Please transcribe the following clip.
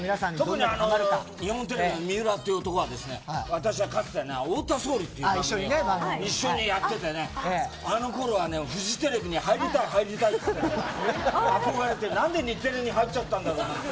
特に日本テレビの三浦という男は私はかつて太田総理という番組を一緒にやっていてあのころは、フジテレビに入りたい入りたいと憧れていたけど何で日テレに入っちゃったんだ。